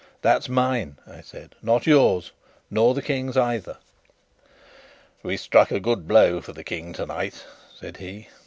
"That's mine," I said, "not yours nor the King's either." "We struck a good blow for the King tonight," said he.